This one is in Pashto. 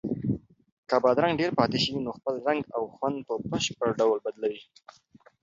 که بادرنګ ډېر پاتې شي نو خپل رنګ او خوند په بشپړ ډول بدلوي.